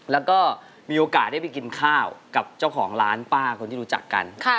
แล้วก็มีโอกาสได้ไปกินข้าวกับเจ้าของร้านป้าคนที่รู้จักกัน